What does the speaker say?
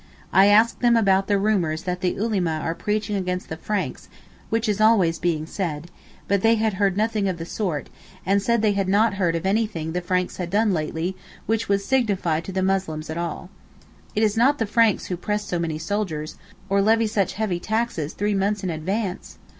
I asked them about the rumours that the Ulema are preaching against the Franks (which is always being said), but they had heard nothing of the sort, and said they had not heard of anything the Franks had done lately which would signify to the Muslims at all. It is not the Franks who press so many soldiers, or levy such heavy taxes three months in advance!